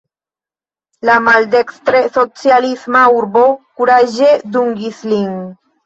La maldekstre socialisma urbo kuraĝe dungis lin.